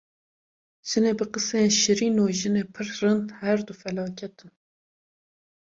Jinê bi qisên şîrîn û jinê pir rind her du felaket in.